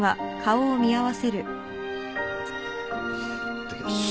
いただきます。